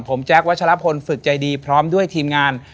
ผมแจ๊ควัชลพลฝึกใจดีพร้อมด้วยทีมงาน